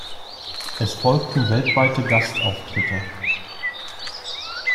Es folgten weltweite Gastauftritte.